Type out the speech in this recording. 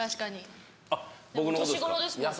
あっ僕のことですか。